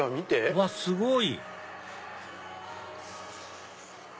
うわっすごい！